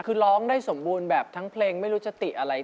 คือร้องได้สมบูรณ์แบบทั้งเพลงไม่รู้สติอะไร